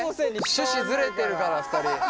趣旨ずれてるから２人。